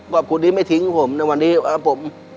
ว่ากุ้งนี้ไม่ทิ้งผมแต่วันนี้ผม